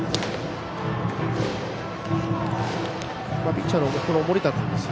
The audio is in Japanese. ピッチャーの森田君